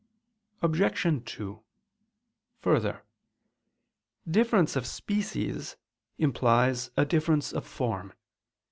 Obj. 2: Further, difference of species implies a difference of form.